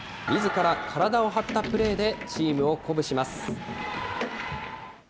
みずから体を張ったプレーでチームを鼓舞します。